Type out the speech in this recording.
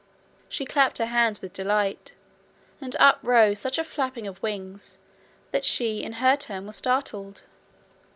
She clapped her hands with delight, and up rose such a flapping of wings that she in her turn was startled.